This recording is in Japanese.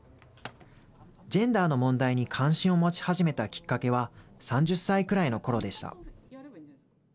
ジェンダーの問題に関心を持ち始めたきっかけは、３０歳くらいのころでした。